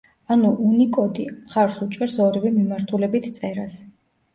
ანუ უნიკოდი მხარს უჭერს ორივე მიმართულებით წერას.